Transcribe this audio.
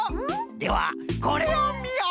ではこれをみよ！